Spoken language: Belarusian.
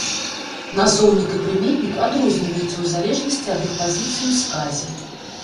Назоўнік і прыметнік адрозніваюцца ў залежнасці ад іх пазіцыі ў сказе.